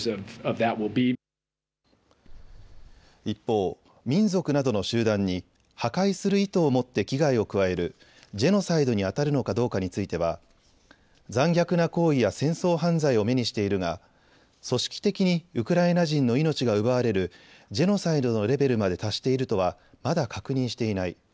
一方、民族などの集団に破壊する意図を持って危害を加えるジェノサイドにあたるのかどうかについては残虐な行為や戦争犯罪を目にしているが組織的にウクライナ人の命が奪われるジェノサイドのレベルまで達しているとはまだ確認していない。